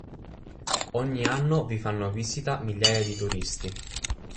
Ogni anno vi fanno visita migliaia di turisti.